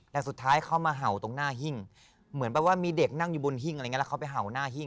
แต่สุดท้ายเขามาเห่าตรงหน้าหิ้งเหมือนแบบว่ามีเด็กนั่งอยู่บนหิ้งอะไรอย่างนี้แล้วเขาไปเห่าหน้าหิ้ง